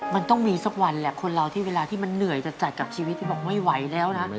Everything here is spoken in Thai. มันต้องมีสักวันแหละคนเราที่เวลาที่มันเหนื่อยจัดกับชีวิตที่บอกไม่ไหวแล้วนะ